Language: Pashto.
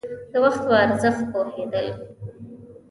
د وخت په ارزښت پوهېدل.